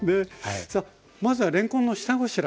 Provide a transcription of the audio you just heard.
さあまずはれんこんの下ごしらえですね。